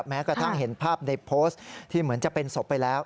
แม้กระทั่งเห็นภาพในโพสต์ที่เหมือนจะเป็นศพไปแล้ว